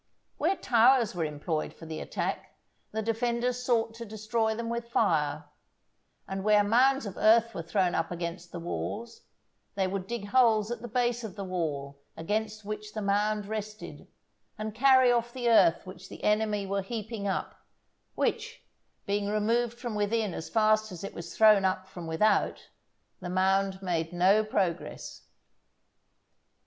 Where towers were employed for the attack, the defenders sought to destroy them with fire; and where mounds of earth were thrown up against the walls, they would dig holes at the base of the wall against which the mound rested, and carry off the earth which the enemy were heaping up; which, being removed from within as fast as it was thrown up from without, the mound made no progress.